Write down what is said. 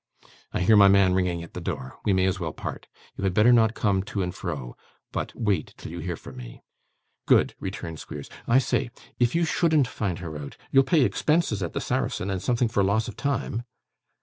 I hear my man ringing at the door. We may as well part. You had better not come to and fro, but wait till you hear from me.' 'Good!' returned Squeers. 'I say! If you shouldn't find her out, you'll pay expenses at the Saracen, and something for loss of time?